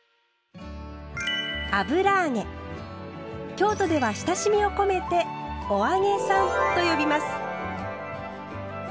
京都では親しみを込めて「お揚げさん」と呼びます。